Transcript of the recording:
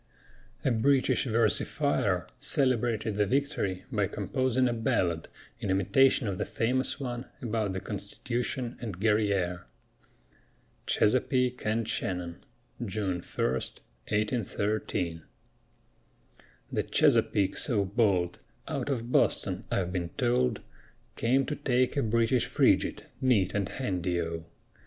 A British versifier celebrated the victory by composing a ballad in imitation of the famous one about the Constitution and Guerrière. CHESAPEAKE AND SHANNON [June 1, 1813] The Chesapeake so bold Out of Boston, I've been told, Came to take a British Frigate Neat and handy O!